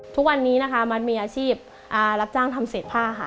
ทุกวันนี้มันมีอาชีพรับจ้างทำเศษผ้า